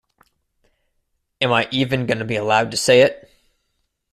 Am I even gonna be allowed to say it?